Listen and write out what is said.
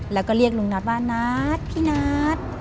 แล้วก็เรียกลุงนัทว่านัทพี่นัท